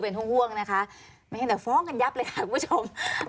เป็นห้วงห้วงนะคะเรา์ฟ้องกันยับเลยครับคุณผู้ชม